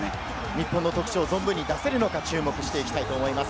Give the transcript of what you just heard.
日本の特徴を存分に出せるのか注目したいと思います。